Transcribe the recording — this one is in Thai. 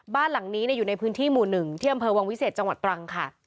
บ้านหลังนี้อยู่ในพื้นที่หมู่๑ที่อำเภอวังวิเศษจังหวัดตรังค่ะ